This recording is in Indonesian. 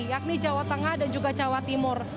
yakni jawa tengah dan juga jawa timur